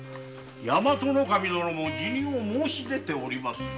大和守殿も辞任を申し出ております。